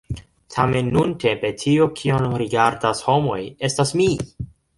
Tamen, nuntempe, tio, kion rigardas homoj, estas mi!